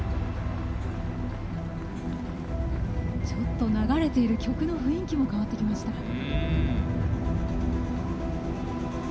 ちょっと流れている曲の雰囲気も変わってきました。